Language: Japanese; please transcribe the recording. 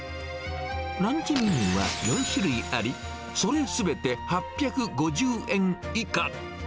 ランチメニューは４種類あり、それすべて８５０円以下。